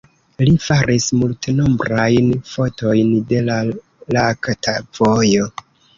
Li faris multenombrajn fotojn de la lakta vojo.